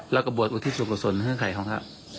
แล้วก็บวชอุทพรีศพรรกะสนเยอะไข้ครับ